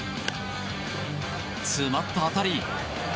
詰まった当たり。